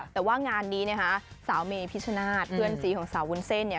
แต่ว่างานนี้นะคะสาวเมพิชชนาธิ์เพื่อนสีของสาววุ้นเส้นเนี่ย